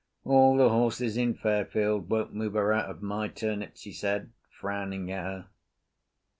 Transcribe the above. "All the horses in Fairfield won't move her out of my turnips," he said, frowning at her.